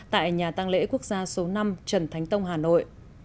tại nhà tăng lễ quốc gia số năm trần thánh tông hà nội